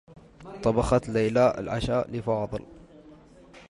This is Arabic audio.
طبخت ليلى العشاء لفاضل.